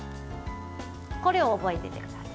これを覚えていてください。